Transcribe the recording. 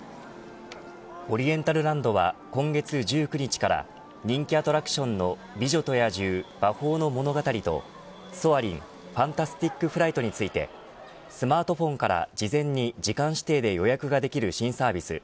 オリエンタルランドは今月１９日から人気アトラクションの美女と野獣魔法のものがたりとソアリン、ファンタスティク・フライトについてスマートフォンから事前に時間指定で予約ができる新サービス